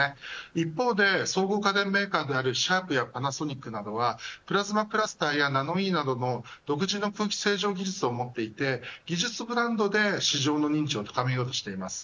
一方で総合家電メーカーであるシャープやパナソニックなどはプラズマクラスターやナノイーなどの独自の空気清浄技術を思っていて技術ブランドでに市場の認知を高めようとしています。